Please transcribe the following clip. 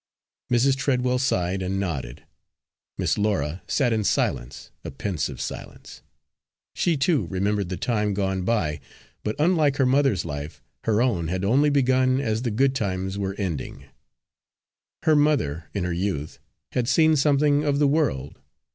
Mrs. Treadwell sighed, and nodded. Miss Laura sat in silence a pensive silence. She, too, remembered the time gone by, but unlike her mother's life, her own had only begun as the good times were ending. Her mother, in her youth, had seen something of the world.